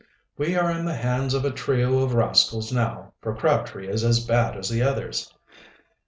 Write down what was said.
"We are in the hands of a trio of rascals now, for Crabtree is as bad as the others."